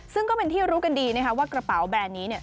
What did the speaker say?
ซึ่งก็เป็นที่รู้กันดีนะคะว่ากระเป๋าแบรนด์นี้เนี่ย